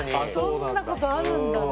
そんなことあるんだね。